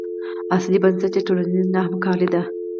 اصلي بنسټ یې ټولنیزه نه همکاري ده.